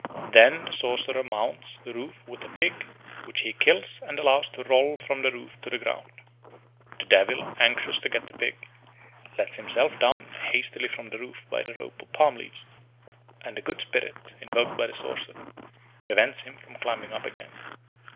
Then the sorcerer mounts the roof with a pig, which he kills and allows to roll from the roof to the ground. The devil, anxious to get the pig, lets himself down hastily from the roof by the rope of palm leaves, and a good spirit, invoked by the sorcerer, prevents him from climbing up again.